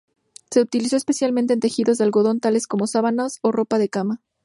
Se utiliza especialmente en tejidos de algodón tales como sábanas o ropa de cama.